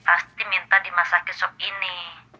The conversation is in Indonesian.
pasti minta dimasak besok ini